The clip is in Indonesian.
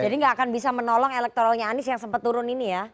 nggak akan bisa menolong elektoralnya anies yang sempat turun ini ya